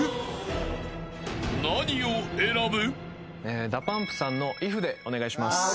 ［何を選ぶ？］